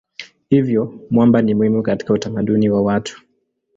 Hivyo mwamba ni muhimu katika utamaduni wa watu.